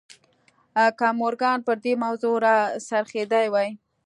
که مورګان پر دې موضوع را څرخېدلی وای